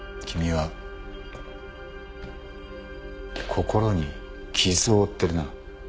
心に傷を負ってるな。